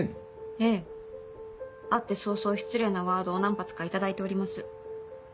ええ会って早々失礼なワードを何発か頂いております。